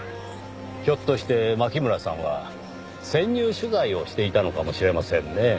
ひょっとして牧村さんは潜入取材をしていたのかもしれませんねぇ。